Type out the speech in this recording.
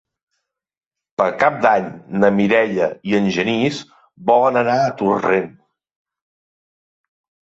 Per Cap d'Any na Mireia i en Genís volen anar a Torrent.